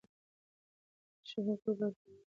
د بشر حقوق باید خوندي سي.